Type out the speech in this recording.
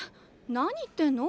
何言ってんの？